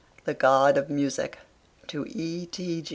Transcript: THE GOD OF MUSIC. TO E.